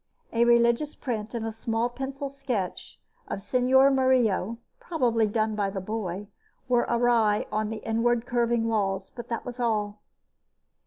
A religious print and a small pencil sketch of Señora Murillo, probably done by the boy, were awry on the inward curving walls, but that was all.